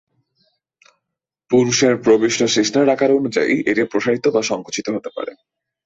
পুরুষের প্রবিষ্ট শিশ্নের আকার অনুযায়ী এটি প্রসারিত বা সঙ্কুচিত হতে পারে।